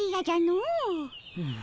うん？